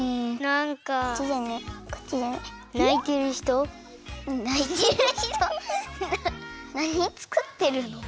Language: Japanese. なにつくってるの？